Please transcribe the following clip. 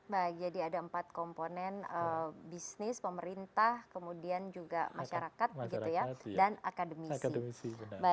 baik jadi ada empat komponen bisnis pemerintah kemudian juga masyarakat dan akademisi